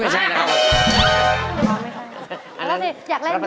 พอแล้วยากเล่นด้วย